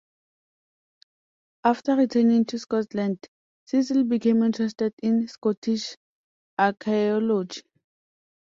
After returning to Scotland Cecil became interested in Scottish archaeology.